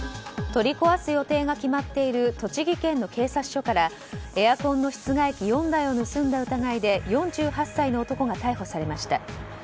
取り壊す予定が決まっている栃木県の警察署からエアコンの室外機４台を盗んだ疑いで４８歳の男が逮捕されました。